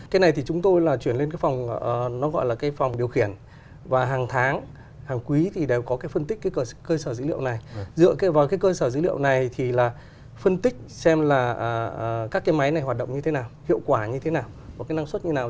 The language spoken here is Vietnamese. cái này thì chúng tôi chuyển lên phòng điều khiển và hàng tháng hàng quý đều có phân tích cơ sở dữ liệu này dựa vào cơ sở dữ liệu này thì phân tích xem các máy này hoạt động như thế nào hiệu quả như thế nào năng suất như thế nào